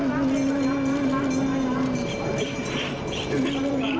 ไปนั่งก่อน